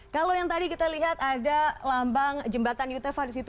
kalau yang tadi kita lihat ada lambang jembatan yutefa di situ